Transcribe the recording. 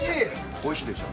おいしいでしょ？